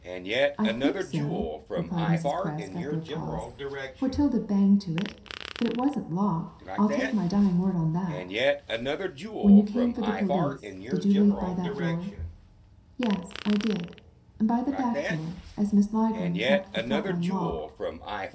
* I think so," replied Mrs. Presk, after a pause, " for Tilda banged it to ; but it wasn't locked, I'll take my dying word on that" "When you came for the. police did you leave by that door ?" "Yes, I did; by the back door, as Miss Ligram kept the front one locked."